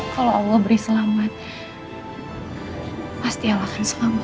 kalau allah beri selamat pasti allah akan selamat